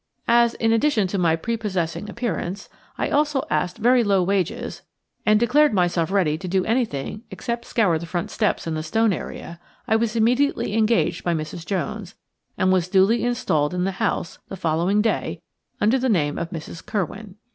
As, in addition to my prepossessing appearance, I also asked very low wages and declared myself ready to do anything except scour the front steps and the stone area, I was immediately engaged by Mrs. Jones, and was duly installed in the house the following day under the name of Mrs. Curwen.